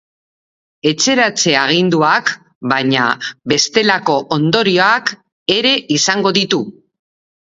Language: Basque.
Etxeratze-aginduak, baina, bestelako ondorioak ere izango ditu.